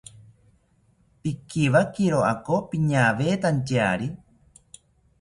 Pikiwakiro ako piñawetantyari